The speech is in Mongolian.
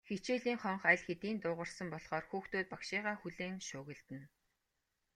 Хичээлийн хонх аль хэдийн дуугарсан болохоор хүүхдүүд багшийгаа хүлээн шуугилдана.